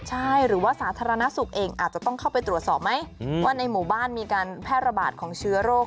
ใช่หรือว่าสาธารณสุขเองอาจจะต้องเข้าไปตรวจสอบไหมว่าในหมู่บ้านมีการแพร่ระบาดของเชื้อโรค